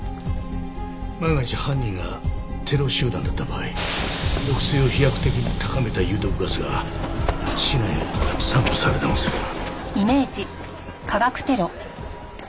万が一犯人がテロ集団だった場合毒性を飛躍的に高めた有毒ガスが市内に散布されでもすれば。